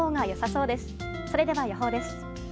それでは予報です。